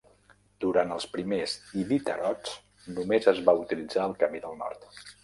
Durant els primers Iditarods només es va utilitzar el camí del nord.